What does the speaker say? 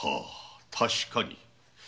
確かに。